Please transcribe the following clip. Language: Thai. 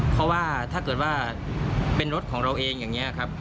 เพราะว่าถ้าเกิดว่าเป็นรถของเราเองอย่างนี้ครับ